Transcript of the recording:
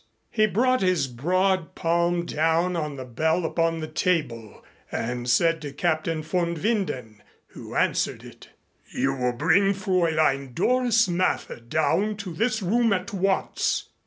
He brought his broad palm down on the bell upon the table and said to Captain von Winden, who answered it: "You will bring Fräulein Doris Mather down to this room at once."